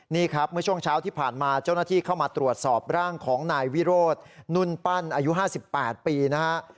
นี่ครับเมื่อช่วงเช้าที่ผ่านมาเจ้าหน้าที่เข้ามาตรวจสอบร่างของนายวิโรธนุ่นปั้นอายุ๕๘ปีนะฮะ